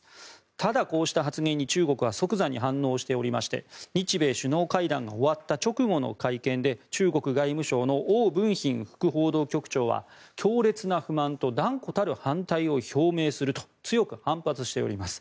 ただ、こうした発言に中国は即座に反応しておりまして日米首脳会談が終わった直後の会見で中国外務省のオウ・ブンヒン副報道局長は強烈な不満と断固たる反対を表明すると強く反発しております。